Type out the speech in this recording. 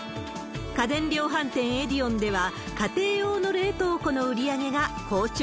家電量販店、エディオンでは、家庭用の冷凍庫の売り上げが好調。